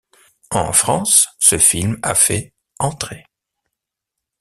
En France, ce film a fait entrées.